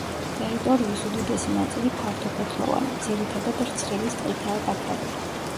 ტერიტორიის უდიდესი ნაწილი ფართოფოთლოვანი, ძირითადად რცხილის ტყითაა დაფარული.